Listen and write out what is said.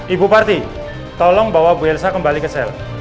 ibu parti tolong bawa bu elsa kembali ke sel